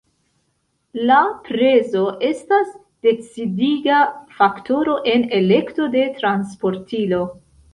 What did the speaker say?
La prezo estas decidiga faktoro en elekto de transportilo.